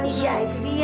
iya itu dia